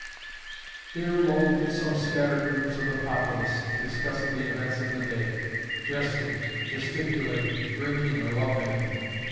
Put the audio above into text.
Here lolled some scattered groups of the populace, discussing the events of the day, jesting, gesticulating, drinking or love making.